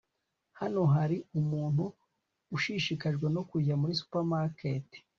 hano hari umuntu ushishikajwe no kujya muri supermarket